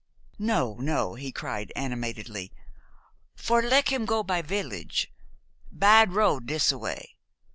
"No, no!" he cried animatedly. "For lek him go by village. Bad road dissa way.